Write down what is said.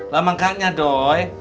lah makanya doi